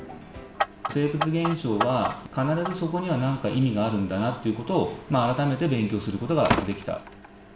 生物現象は必ずそこにはなんか意味があるんだなということを、改めて勉強することができた。